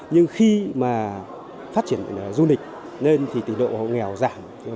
nhưng khi phát triển du lịch tỉ nệ hộ nghèo giả hẳn